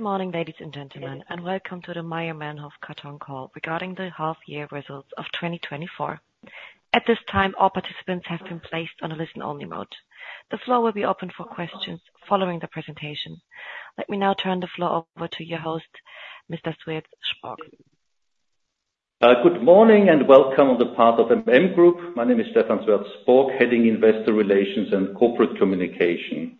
Good morning, ladies and gentlemen, and welcome to the Mayr-Melnhof Karton call regarding the half year results of twenty twenty-four. At this time, all participants have been placed on a listen-only mode. The floor will be open for questions following the presentation. Let me now turn the floor over to your host, Mr. Stephan Sweerts-Sporck. Good morning, and welcome on the part of MM Group. My name is Stephan Sweerts-Sporck, head of Investor Relations and Corporate Communication.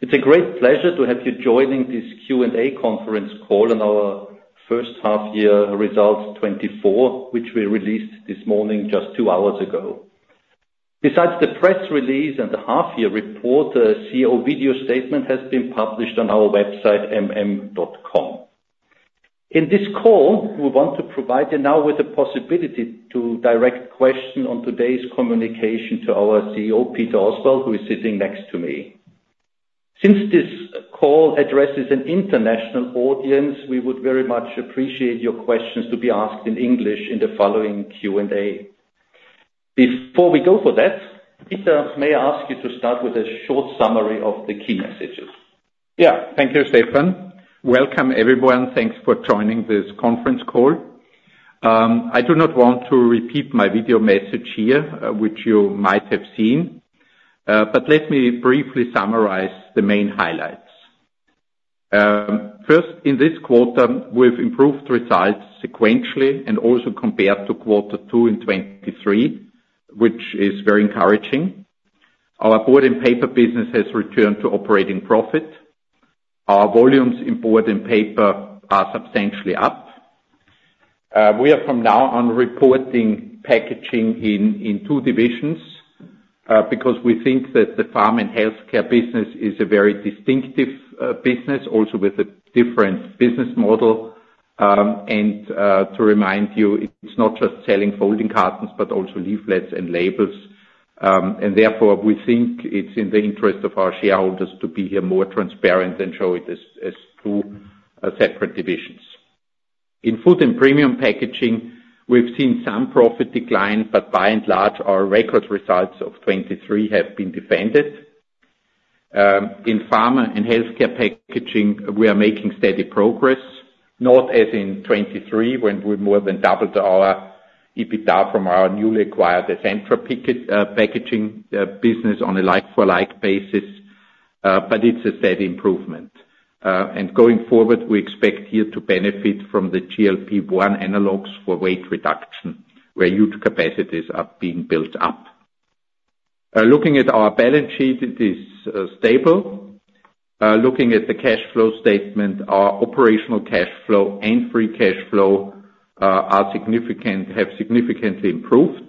It's a great pleasure to have you joining this Q&A conference call on our first half-year results 2024, which we released this morning just two hours ago. Besides the press release and the half-year report, a CEO video statement has been published on our website, mm.group. In this call, we want to provide you now with the possibility to direct question on today's communication to our CEO, Peter Oswald, who is sitting next to me. Since this call addresses an international audience, we would very much appreciate your questions to be asked in English in the following Q&A. Before we go for that, Peter, may I ask you to start with a short summary of the key messages? Yeah. Thank you, Stephan. Welcome, everyone. Thanks for joining this conference call. I do not want to repeat my video message here, which you might have seen, but let me briefly summarize the main highlights. First, in this quarter, we've improved results sequentially and also compared to quarter two in twenty-three, which is very encouraging. Our Board and Paper business has returned to operating profit. Our volumes in Board and Paper are substantially up. We are from now on reporting packaging in two divisions, because we think that the Pharma and Healthcare business is a very distinctive business, also with a different business model, and to remind you, it's not just selling folding cartons, but also leaflets and labels. And therefore, we think it's in the interest of our shareholders to be more transparent and show it as two separate divisions. In Food and Premium Packaging, we've seen some profit decline, but by and large, our record results of 2023 have been defended. In Pharma and Healthcare Packaging, we are making steady progress, not as in 2023, when we more than doubled our EBITDA from our newly acquired Essentra Packaging business on a like-for-like basis, but it's a steady improvement. And going forward, we expect here to benefit from the GLP-1 analogues for weight reduction, where huge capacities are being built up. Looking at our balance sheet, it is stable. Looking at the cash flow statement, our operational cash flow and free cash flow have significantly improved.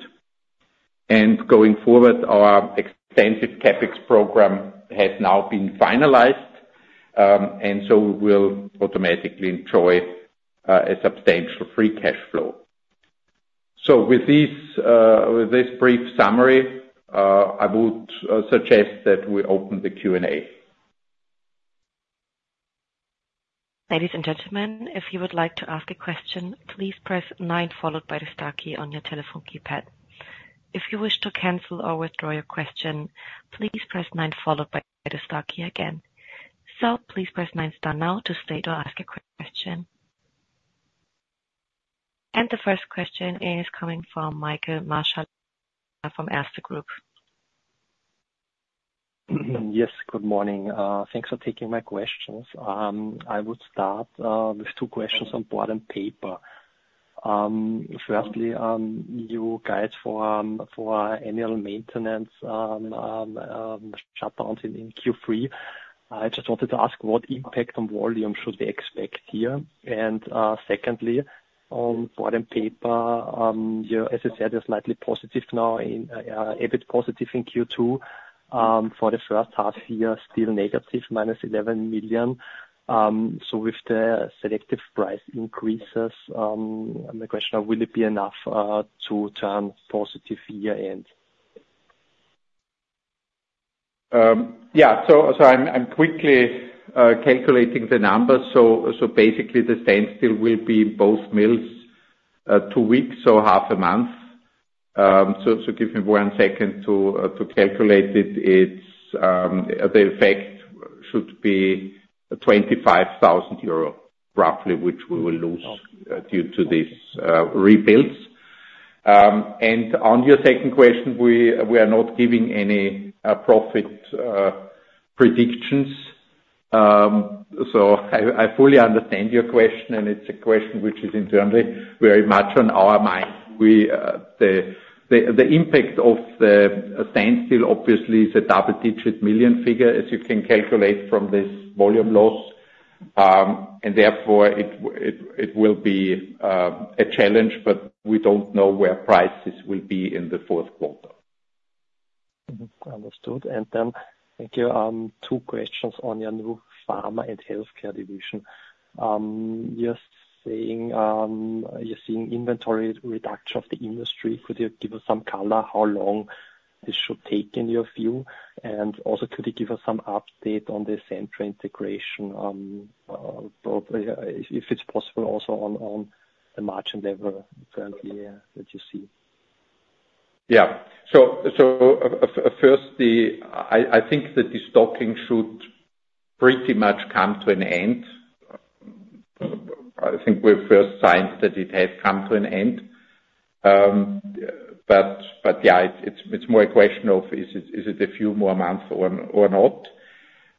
And going forward, our extensive CapEx program has now been finalized, and so we'll automatically enjoy a substantial free cash flow. So with this brief summary, I would suggest that we open the Q&A. Ladies and gentlemen, if you would like to ask a question, please press nine, followed by the star key on your telephone keypad. If you wish to cancel or withdraw your question, please press nine, followed by the star key again. So please press nine star now to stay to ask a quick question. And the first question is coming from Michael Marschallinger from Erste Group. Yes, good morning. Thanks for taking my questions. I would start with two questions on Board and Paper. Firstly, you guide for annual maintenance shutdowns in Q3. I just wanted to ask, what impact on volume should we expect here? And secondly, on Board and Paper, your SSI is slightly positive now, and a bit positive in Q2. For the first half year, still negative, -11 million. So with the selective price increases, my question, will it be enough to turn positive year-end? Yeah, so I'm quickly calculating the numbers. Basically, the standstill will be both mills, two weeks, so half a month. Give me one second to calculate it. It's the effect should be 25,000 euro, roughly, which we will lose due to this rebuilds. And on your second question, we are not giving any profit predictions. I fully understand your question, and it's a question which is internally very much on our mind. The impact of the standstill obviously is a double-digit million figure, as you can calculate from this volume loss. And therefore, it will be a challenge, but we don't know where prices will be in the fourth quarter. Mm-hmm. Understood. And then, thank you. Two questions on your new Pharma and Healthcare division. You're saying, you're seeing inventory reduction of the industry. Could you give us some color, how long this should take in your view? And also, could you give us some update on the Essentra integration, if it's possible, also on the margin level currently, that you see? Yeah. So firstly, I think that the stocking should pretty much come to an end. I think we've first seen that it has come to an end. But yeah, it's more a question of, is it a few more months or not?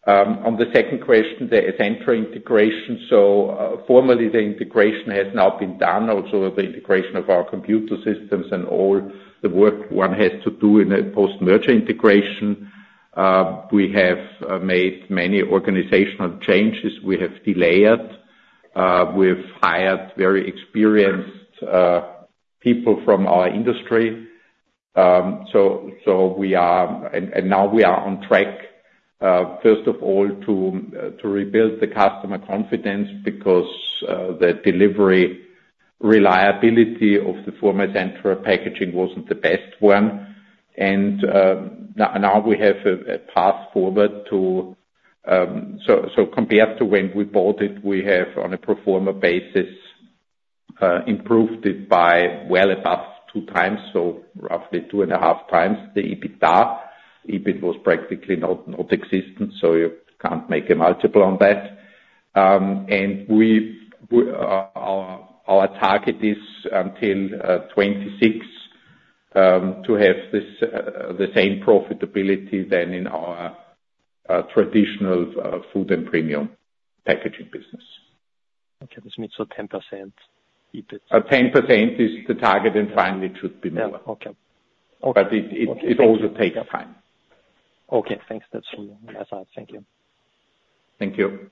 On the second question, the Essentra integration. So formally, the integration has now been done, also the integration of our computer systems and all the work one has to do in a post-merger integration. We have made many organizational changes. We've hired very experienced people from our industry. So we are, and now we are on track, first of all, to rebuild the customer confidence, because the delivery reliability of the former Essentra Packaging wasn't the best one. Now we have a path forward. So, compared to when we bought it, we have, on a pro forma basis, improved it by well above two times, so roughly two and a half times the EBITDA. EBIT was practically not existent, so you can't make a multiple on that. Our target is until 2026 to have this the same profitability than in our traditional Food and Premium Packaging business. Okay, this means so 10% EBIT. 10% is the target, and finally, it should be more. Yeah. Okay. Okay. But it also takes time. Okay, thanks. That's all on my side. Thank you. Thank you.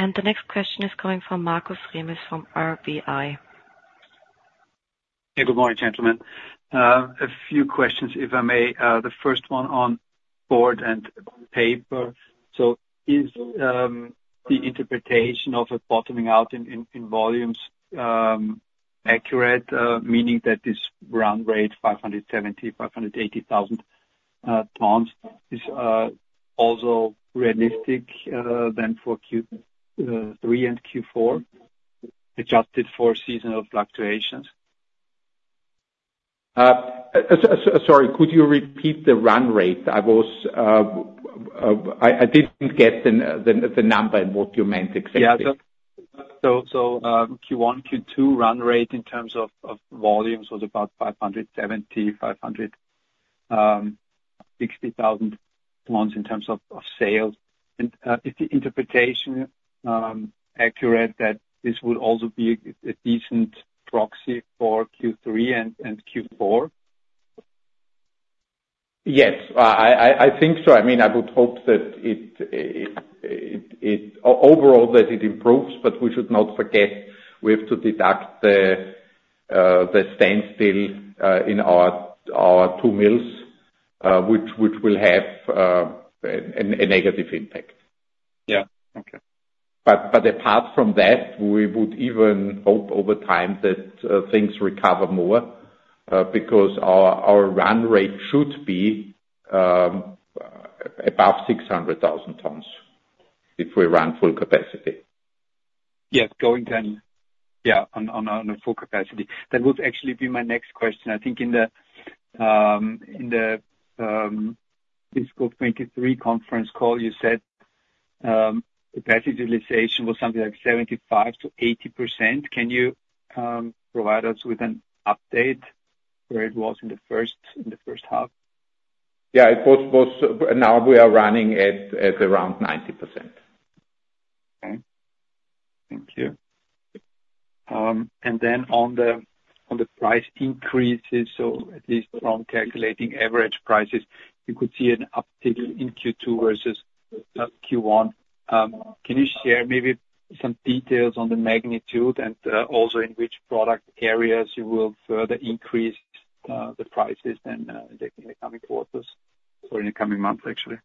The next question is coming from Markus Remis from RBI. Hey, good morning, gentlemen. A few questions, if I may. The first one on Board and Paper. So is the interpretation of a bottoming out in volumes accurate, meaning that this run rate, 570,000 tons-580,000 tons, is also realistic than for Q3 and Q4, adjusted for seasonal fluctuations? Sorry, could you repeat the run rate? I didn't get the number and what you meant exactly. Yeah. So, Q1, Q2 run rate in terms of volumes was about 570,000, 560,000 tons in terms of sales. Is the interpretation accurate that this would also be a decent proxy for Q3 and Q4? Yes, I think so. I mean, I would hope that overall it improves, but we should not forget. We have to deduct the standstill in our two mills, which will have a negative impact. Yeah. Okay. But apart from that, we would even hope over time that things recover more, because our run rate should be above 600,000 tons if we run full capacity. Yes, going then, yeah, on a full capacity. That would actually be my next question. I think in the fiscal 2023 conference call, you said capacity utilization was something like 75%-80%. Can you provide us with an update where it was in the first half? Yeah, it was. Now we are running at around 90%. Okay. Thank you and then on the price increases, so at least from calculating average prices, you could see an uptick in Q2 versus Q1. Can you share maybe some details on the magnitude and also in which product areas you will further increase the prices in the coming quarters or in the coming months, actually?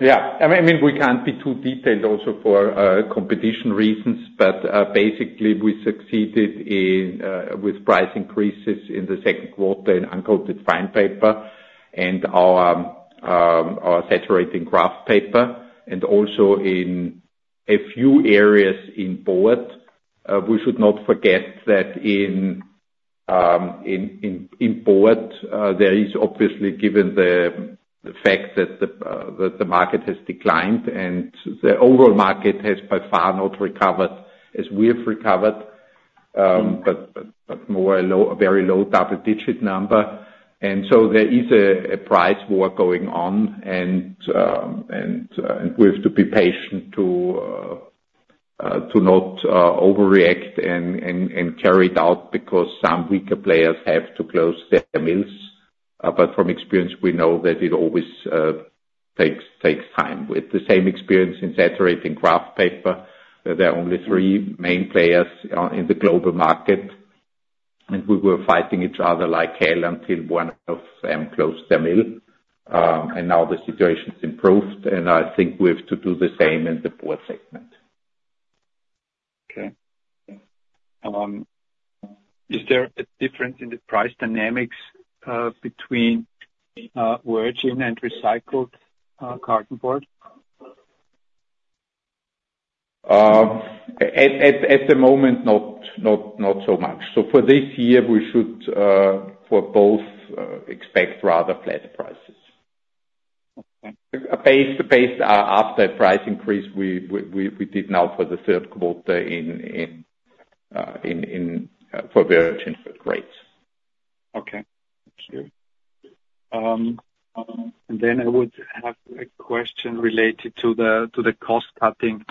Yeah. I mean, we can't be too detailed also for competition reasons, but basically, we succeeded in with price increases in the second quarter in uncoated fine paper and our saturating kraft paper, and also in a few areas in board. We should not forget that in board, there is obviously, given the fact that the market has declined and the overall market has by far not recovered as we have recovered, but more like a very low double-digit number. So there is a price war going on, and we have to be patient to not overreact and carry it out, because some weaker players have to close their mills. But from experience, we know that it always takes time. With the same experience in saturating kraft paper, there are only three main players in the global market, and we were fighting each other like hell until one of them closed the mill. And now the situation's improved, and I think we have to do the same in the board segment. Okay. Is there a difference in the price dynamics between virgin and recycled cartonboard? At the moment, not so much. So for this year, we should for both expect rather flat prices. Okay. Base to base, after a price increase, we did now for the third quarter in for variable interest rates. Okay, thank you. And then I would have a question related to the cost-cutting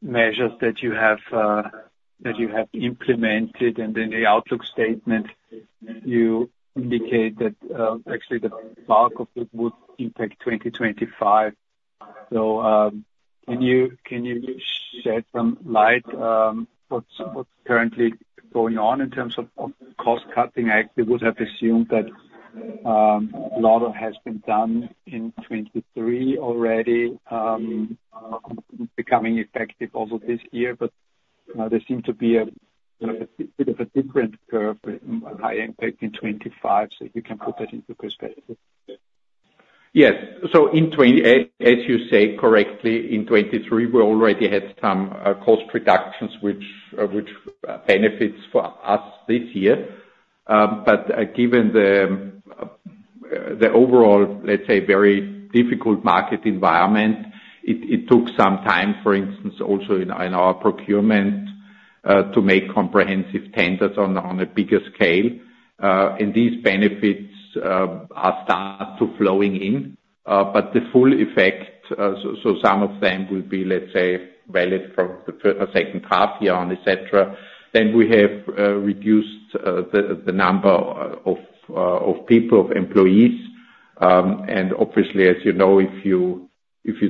measures that you have implemented, and in the outlook statement, you indicate that actually the bulk of it would impact 2025. So, can you shed some light on what's currently going on in terms of cost cutting? I actually would have assumed that a lot of has been done in 2023 already, becoming effective also this year, but there seems to be a bit of a different curve, a high impact in 2025. So if you can put that into perspective. Yes. So in 2028, as you say correctly, in 2023, we already had some cost reductions, which benefits for us this year. But given the overall, let's say, very difficult market environment, it took some time, for instance, also in our procurement, to make comprehensive tenders on a bigger scale. And these benefits are starting to flow in, but the full effect, so some of them will be, let's say, valid from the second half year on, et cetera. Then we have reduced the number of people, of employees. And obviously, as you know, if you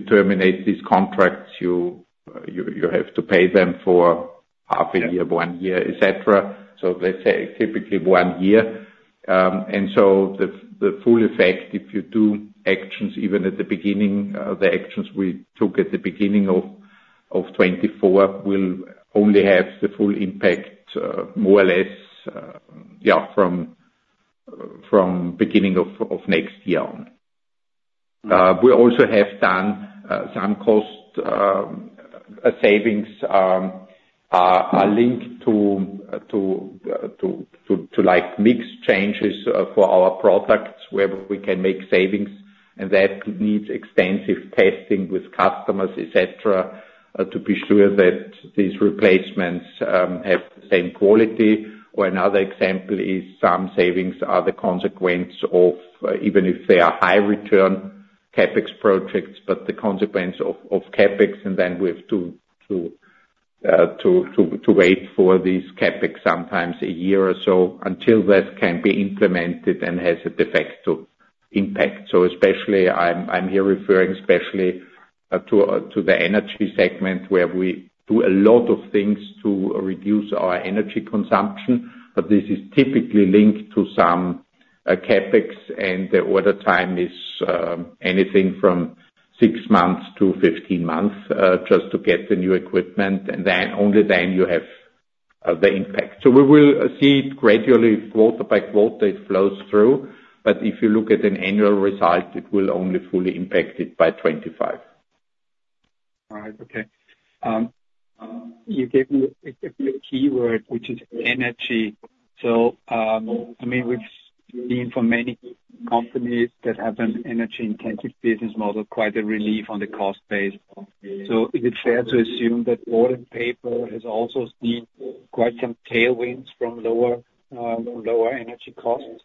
terminate these contracts, you have to pay them for half a year, one year, et cetera. So let's say, typically one year. And so the full effect, if you do actions even at the beginning, the actions we took at the beginning of 2024, will only have the full impact more or less, yeah, from beginning of next year on. We also have done some cost savings that are linked to like mix changes for our products, where we can make savings, and that needs extensive testing with customers, et cetera, to be sure that these replacements have the same quality. Or another example is some savings are the consequence of, even if they are high return CapEx projects, but the consequence of CapEx, and then we have to wait for this CapEx, sometimes a year or so, until that can be implemented and has the effect to impact. So especially I'm here referring especially to the energy segment, where we do a lot of things to reduce our energy consumption, but this is typically linked to some CapEx, and the order time is anything from six months to 15 months, just to get the new equipment, and then, only then you have the impact. So we will see it gradually, quarter by quarter, it flows through, but if you look at an annual result, it will only fully impact it by 2025. Right. Okay. You gave me a keyword, which is energy. So, I mean, we've seen for many companies that have an energy-intensive business model, quite a relief on the cost base. So is it fair to assume that our paper has also seen quite some tailwinds from lower energy costs?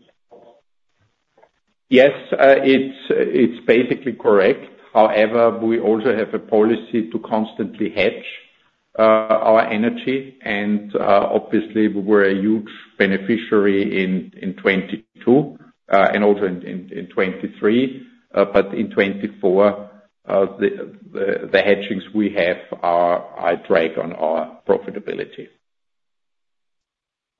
Yes, it's basically correct. However, we also have a policy to constantly hedge our energy, and obviously, we're a huge beneficiary in 2022, and also in 2023. But in 2024, the hedgings we have are a drag on our profitability.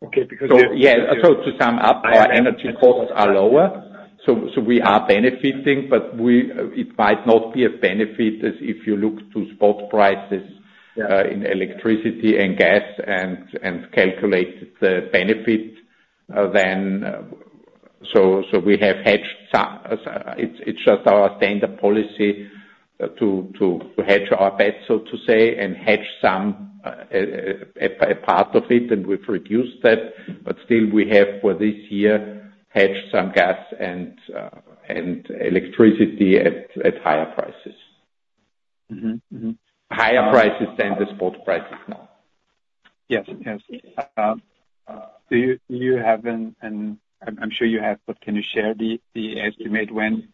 Okay, because- So yeah, so to sum up, our energy costs are lower, so we are benefiting, but we, it might not be a benefit as if you look to spot prices. Yeah... in electricity and gas, and calculate the benefit, then so we have hedged some. It's just our standard policy to hedge our bets, so to say, and hedge some a part of it, and we've reduced that. But still, we have for this year hedged some gas and electricity at higher prices. Mm-hmm. Mm-hmm. Higher prices than the spot prices now. Yes. Yes. Do you have an... I'm sure you have, but can you share the estimate when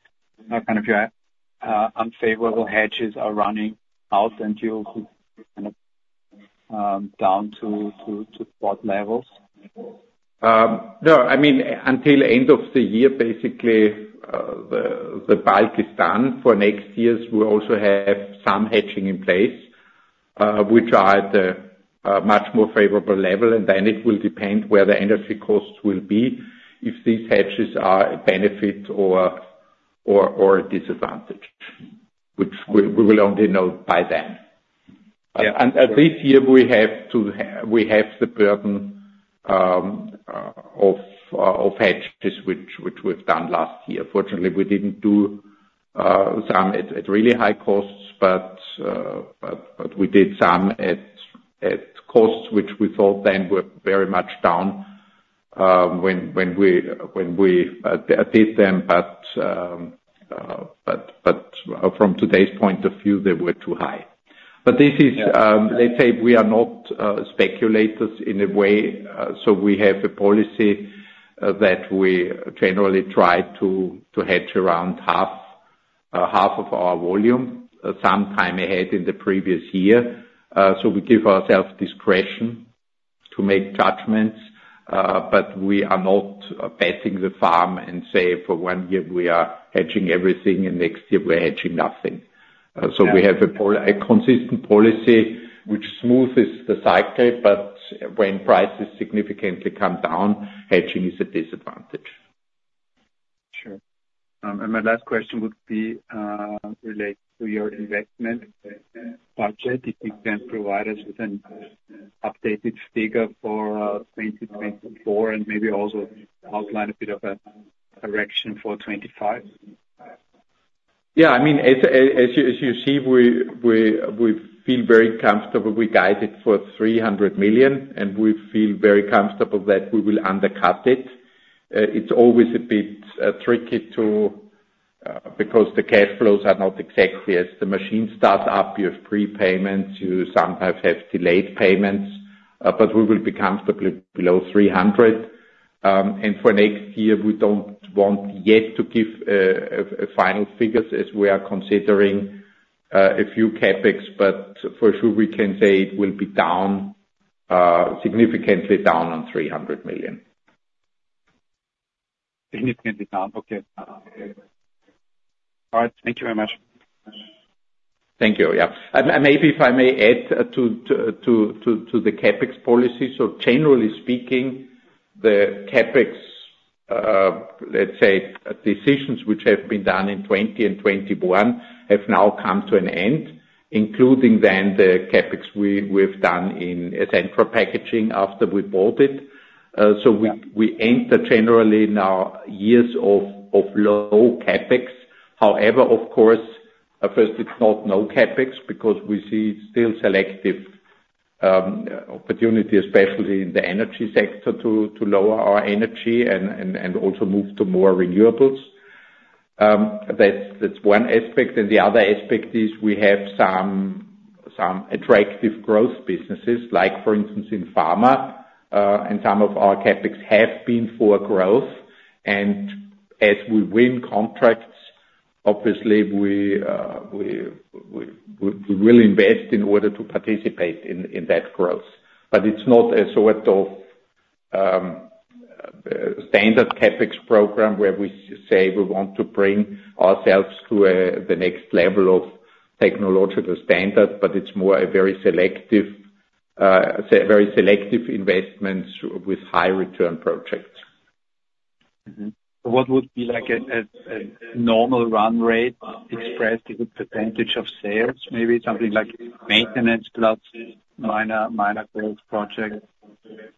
kind of your unfavorable hedges are running out, and you kind of down to spot levels? No, I mean, until end of the year, basically, the bulk is done. For next year, we also have some hedging in place, which are at a much more favorable level, and then it will depend where the energy costs will be, if these hedges are a benefit or a disadvantage, which we will only know by then. Yeah. This year, we have the burden of hedges, which we've done last year. Fortunately, we didn't do some at really high costs, but we did some at costs, which we thought then were very much down, when we did them. But from today's point of view, they were too high. But this is, let's say we are not speculators in a way, so we have a policy that we generally try to hedge around half of our volume some time ahead in the previous year. So we give ourselves discretion to make judgments, but we are not betting the farm, and say, for one year we are hedging everything, and next year we're hedging nothing. Yeah. So we have a policy which smoothes the cycle, but when prices significantly come down, hedging is a disadvantage. Sure, and my last question would be related to your investment budget. If you can provide us with an updated figure for 2024, and maybe also outline a bit of a direction for 2025. Yeah, I mean, as you see, we feel very comfortable. We guided for 300 million, and we feel very comfortable that we will undercut it. It's always a bit tricky to, because the cash flows are not exactly as the machine starts up. You have prepayments, you sometimes have delayed payments, but we will be comfortably below 300 million. And for next year, we don't want yet to give a final figures, as we are considering a few CapEx. But for sure, we can say it will be down, significantly down on 300 million. Significantly down. Okay. All right. Thank you very much. Thank you. Yeah. And maybe if I may add to the CapEx policy. So generally speaking, the CapEx, let's say, decisions which have been done in 2020 and 2021 have now come to an end, including then the CapEx we've done in Essentra Packaging after we bought it. So we- Yeah. We enter generally now years of low CapEx. However, of course, first it's not no CapEx, because we see still selective opportunity, especially in the energy sector, to lower our energy and also move to more renewables. That's one aspect. And the other aspect is we have some attractive growth businesses, like, for instance, in pharma, and some of our CapEx have been for growth. And as we win contracts, obviously we will invest in order to participate in that growth. But it's not a sort of standard CapEx program, where we say we want to bring ourselves to the next level of technological standard, but it's more a very selective very selective investments with high return projects. Mm-hmm. What would be like a normal run rate expressed in percentage of sales? Maybe something like maintenance plus minor growth projects.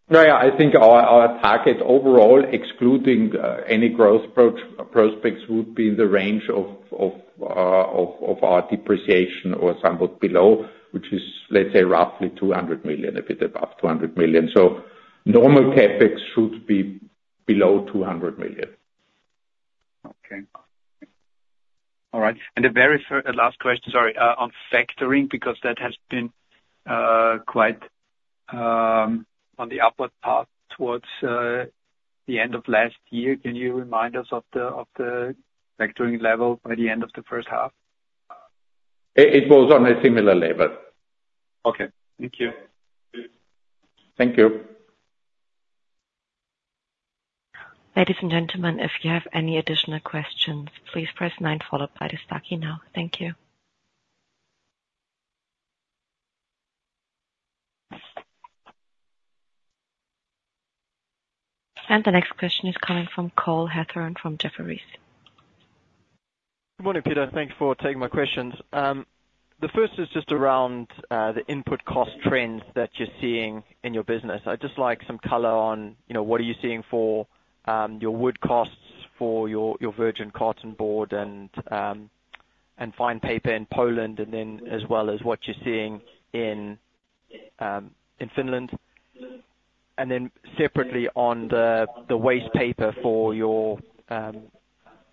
Yeah, I think our target overall, excluding any growth prospects, would be in the range of our depreciation, or somewhat below, which is, let's say, roughly 200 million, a bit above 200 million. So normal CapEx should be below 200 million. Okay. All right, and the last question, sorry, on factoring, because that has been quite on the upward path towards the end of last year. Can you remind us of the factoring level by the end of the first half? It was on a similar level. Okay. Thank you. Thank you. Ladies and gentlemen, if you have any additional questions, please press nine followed by the star key now. Thank you. And the next question is coming from Cole Hathorn from Jefferies. Good morning, Peter. Thank you for taking my questions. The first is just around the input cost trends that you're seeing in your business. I'd just like some color on, you know, what are you seeing for your wood costs for your virgin cartonboard and fine paper in Poland, and then as well as what you're seeing in Finland? And then separately, on the wastepaper for your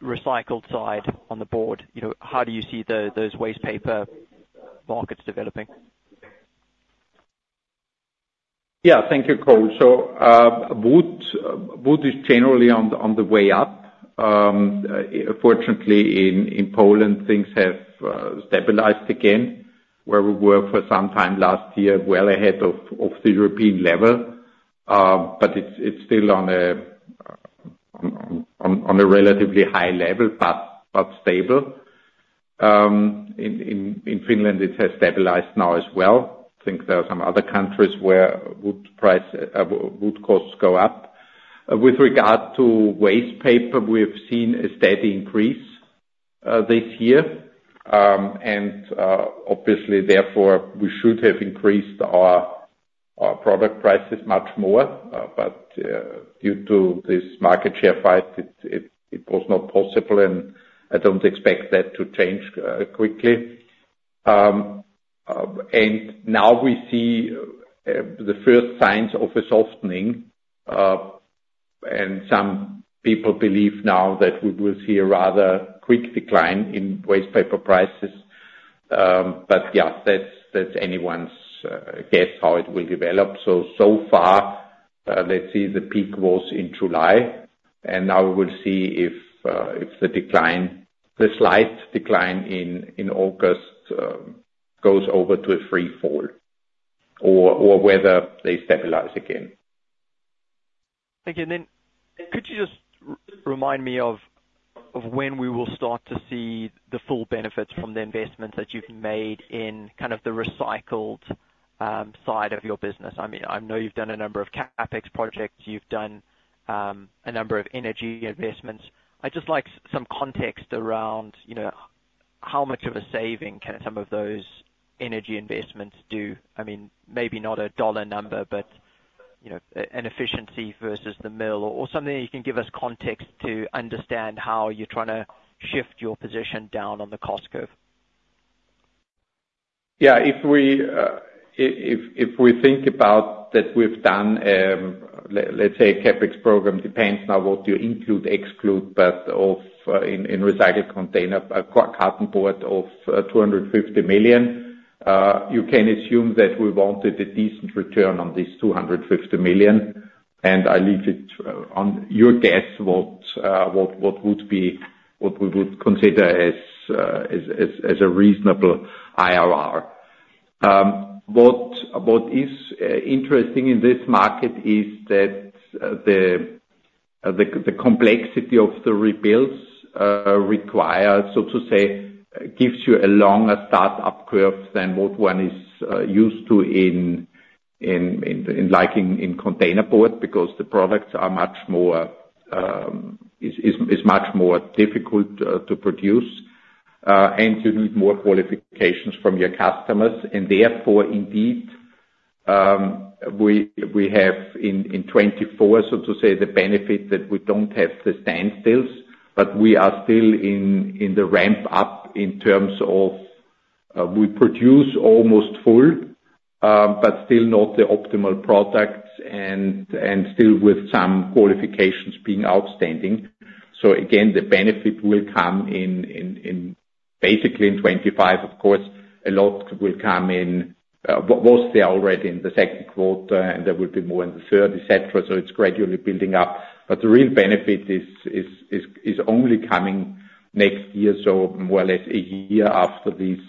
recycled side on the board, you know, how do you see those wastepaper markets developing? Yeah, thank you, Cole. So, wood is generally on the way up. Fortunately, in Poland, things have stabilized again, where we were for some time last year, well ahead of the European level. But it's still on a relatively high level, but stable. In Finland, it has stabilized now as well. I think there are some other countries where wood costs go up. With regard to wastepaper, we have seen a steady increase this year. And obviously, therefore, we should have increased our product prices much more, but due to this market share fight, it was not possible, and I don't expect that to change quickly. And now we see the first signs of a softening, and some people believe now that we will see a rather quick decline in wastepaper prices. But yeah, that's anyone's guess how it will develop. So far, let's see, the peak was in July, and now we will see if the decline, the slight decline in August, goes over to a free fall or whether they stabilize again. Thank you. And then could you just remind me of when we will start to see the full benefits from the investments that you've made in kind of the recycled side of your business? I mean, I know you've done a number of CapEx projects. You've done a number of energy investments. I'd just like some context around, you know, how much of a saving can some of those energy investments do? I mean, maybe not a dollar number, but, you know, an efficiency versus the mill, or something that you can give us context to understand how you're trying to shift your position down on the cost curve. Yeah, if we think about that we've done, let's say, CapEx program, depends on what you include, exclude, but in recycled cartonboard of 250 million, you can assume that we wanted a decent return on this 250 million, and I leave it on your guess, what we would consider as a reasonable IRR. What is interesting in this market is that the complexity of the rebuilds require, so to say, gives you a longer start-up curve than what one is used to in likecontainerboard, because the products are much more difficult to produce and you need more qualifications from your customers. And therefore, indeed, we have in 2024, so to say, the benefit that we don't have the standstills, but we are still in the ramp up in terms of we produce almost full but still not the optimal products and still with some qualifications being outstanding. So again, the benefit will come in basically in 2025. Of course, a lot will come in, mostly already in the second quarter, and there will be more in the third, et cetera, so it's gradually building up. But the real benefit is only coming next year, so more or less a year after these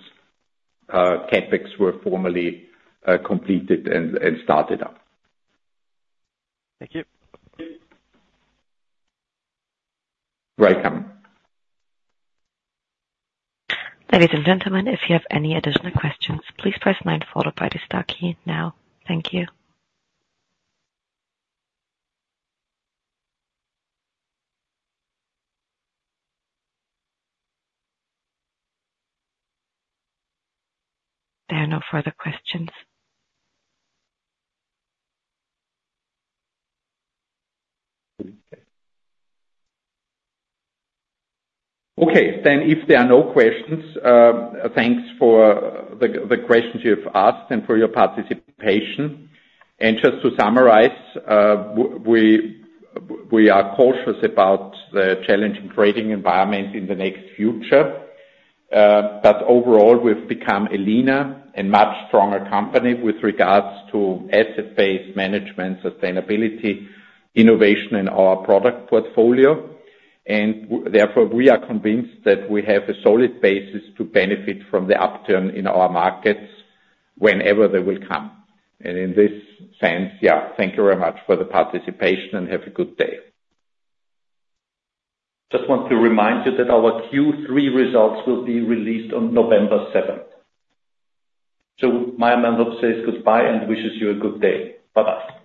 CapEx were formally completed and started up. Thank you. You're welcome. Ladies and gentlemen, if you have any additional questions, please press nine followed by the star key now. Thank you. There are no further questions. Okay, then if there are no questions, thanks for the questions you've asked and for your participation. And just to summarize, we are cautious about the challenging trading environment in the next future, but overall, we've become a leaner and much stronger company with regards to asset-based management, sustainability, innovation in our product portfolio, and therefore, we are convinced that we have a solid basis to benefit from the upturn in our markets whenever they will come. And in this sense, yeah, thank you very much for the participation, and have a good day. Just want to remind you that our Q3 results will be released on November seventh. So my manager says goodbye and wishes you a good day. Bye-bye.